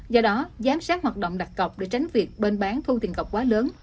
do đó giám sát hoạt động đặt cọc để tránh việc bên bán thu tiền cọc quá lớn